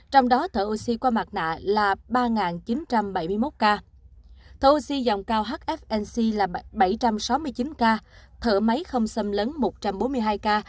trong đó thở oxy qua mặt nạ là ba chín trăm bảy mươi một ca oxy dòng cao hfnc là bảy trăm sáu mươi chín ca thở máy không xâm lấn một trăm bốn mươi hai ca